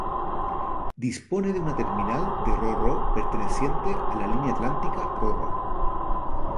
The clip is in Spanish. Dispone de una terminal de Ro-Ro perteneciente a la Línea Atlántica Ro-Ro.